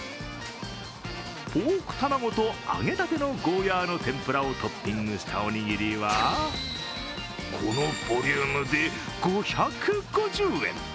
ポークたまごと揚げたてのゴーヤーの天ぷらをトッピングしたおにぎりはこのボリュームで５５０円。